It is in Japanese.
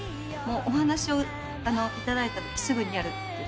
お話をいただいたときすぐにやるって。